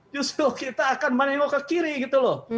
justru kita akan menengok ke kiri gitu loh